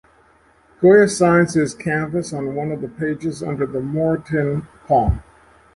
Goya signs his canvas on one of the pages under the Moratin palm.